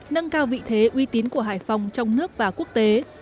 nâng cao vị thế uy tín của hải phòng trong nước và quốc tế